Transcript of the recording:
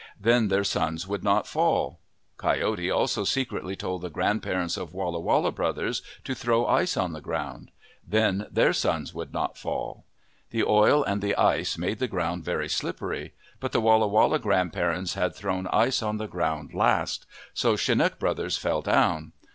Then their sons would not fall. Coyote also secretly told the grandparents of Walla Walla brothers to throw ice on the ground. Then their sons would not fall. The oil and the ice made the ground very slippery. But the Walla Walla grandparents had thrown ice on the ground last. So Chinook brothers fell down.